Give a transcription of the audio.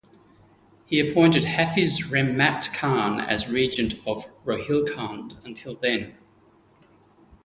He appointed Hafiz Rehmat Khan as regent of Rohilkhand until then.